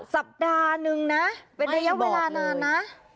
สัปดาห์นึงนะเป็นระยะเวลานานนะ